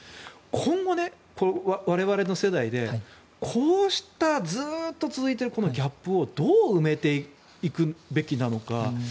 今後、我々の世代でこうしたずっと続いているこのギャップをどう埋めていくべきなのか。